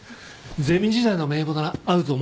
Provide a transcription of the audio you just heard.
ゼミ時代の名簿ならあると思うから。